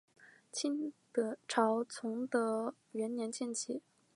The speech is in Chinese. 清朝崇德元年建旗。